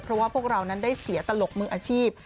เพราะว่าพวกเรานั้นได้เสียตลกมืออาชีพ